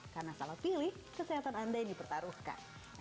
karena salah pilih kesehatan anda yang dipertaruhkan